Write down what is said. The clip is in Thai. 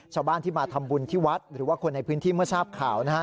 ชาวบ้านที่มาทำบุญที่วัดหรือว่าคนในพื้นที่เมื่อทราบข่าวนะฮะ